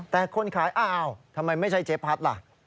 แต่คนขายอ้าวทำไมไม่ใช่เจ๊พัดล่ะ